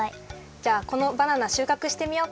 じゃあこのバナナしゅうかくしてみようか。